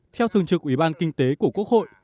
theo thường trực ủy ban kinh tế của quốc hội